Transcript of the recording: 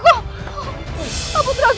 jangan pukul ibu putraku